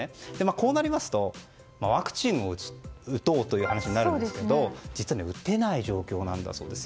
こうなりますとワクチンを打とうという話になるんですけど実は打てない状況なんだそうです。